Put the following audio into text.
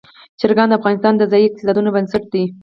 چرګان د افغانستان د ځایي اقتصادونو بنسټ دی.